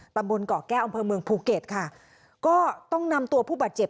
ตำบลเกาะแก้วอำเภอเมืองภูเก็ตค่ะก็ต้องนำตัวผู้บาดเจ็บ